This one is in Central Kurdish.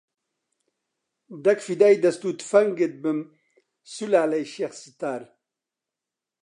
دەک فیدای دەست و تفەنگت بم سولالەی شێخ ستار